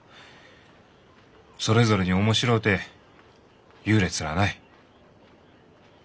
それぞれに面白うて優劣らあない。